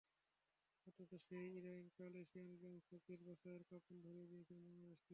অথচ সেই ইরানই কাল এশিয়ান গেমস হকির বাছাইয়ে কাঁপন ধরিয়ে দিয়েছিল বাংলাদেশকে।